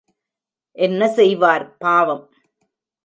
என்ன செய்வார் பாவம்?